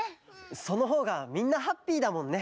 そのほうがみんなハッピーだもんね。